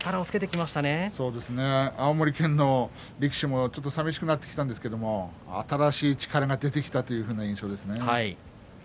青森県の力士もさみしくなってきたんですけれど新しい力士が出てきたという印象ですね。